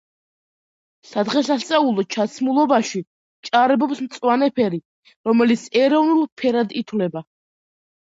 სადღესასწაულო ჩაცმულობაში ჭარბობს მწვანე ფერი, რომელიც ეროვნულ ფრად ითვლება.